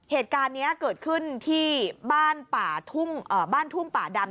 เหตุการณ์นี้เกิดขึ้นที่บ้านทุ่งป่าดำ